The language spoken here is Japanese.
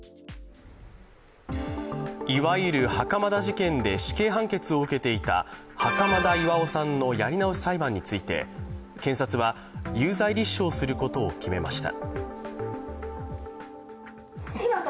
いわゆる袴田事件で死刑判決を受けていた袴田巌さんのやり直し裁判について検察は有罪立証することを決めました。